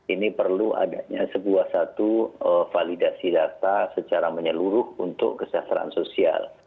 ini perlu adanya sebuah satu validasi data secara menyeluruh untuk kesejahteraan sosial